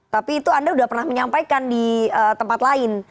tapi itu anda sudah pernah menyampaikan di tempat lain